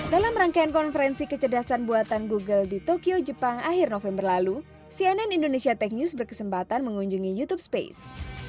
dalam rangkaian konferensi kecerdasan buatan google di tokyo jepang akhir november lalu cnn indonesia tech news berkesempatan mengunjungi youtube space